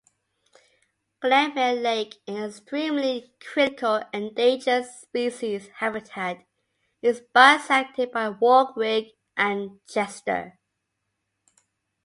Glenmere Lake, an extremely critical endangered species habitat, is bisected by Warwick and Chester.